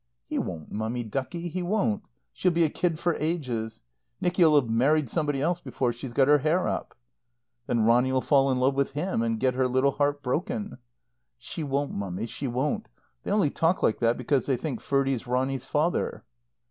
"He won't, Mummy ducky, he won't. She'll be a kid for ages. Nicky'll have married somebody else before she's got her hair up." "Then Ronny'll fall in love with him, and get her little heart broken." "She won't, Mummy, she won't. They only talk like that because they think Ferdie's Ronny's father."